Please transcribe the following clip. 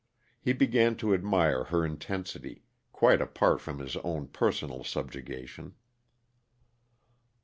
He began to admire her intensely, quite apart from his own personal subjugation.